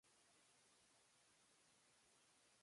ディズニーランドは千葉にある。